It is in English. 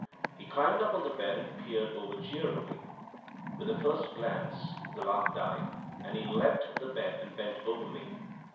He climbed up on the bed and peered over jeeringly. With the first glance the laugh died, and he leaped the bed and bent over me.